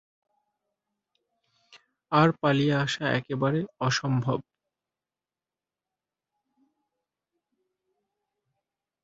আর পালিয়ে আসা একেবারে অসম্ভব!